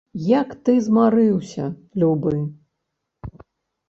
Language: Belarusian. Як ты змарыўся, любы!